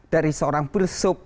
dari seorang filsuf